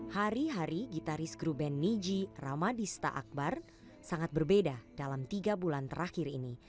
hari hari gitaris gruben niji ramadista akbar sangat berbeda dalam tiga bulan terakhir ini